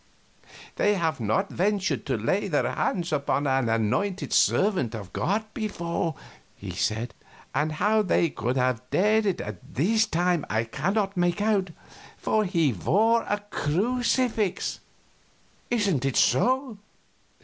"They have not ventured to lay their hands upon an anointed servant of God before," he said: "and how they could have dared it this time I cannot make out, for he wore his crucifix. Isn't it so?"